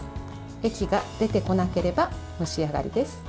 液が出てこなければ蒸し上がりです。